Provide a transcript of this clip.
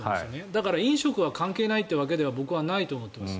だから飲食は関係ないというわけでは僕はないと思っています。